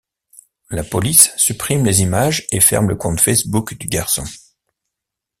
La police supprime les images et ferme le compte Facebook du garçon.